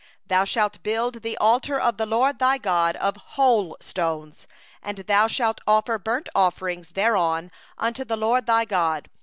6Thou shalt build the altar of the LORD thy God of unhewn stones; and thou shalt offer burnt offerings thereon unto the LORD thy God.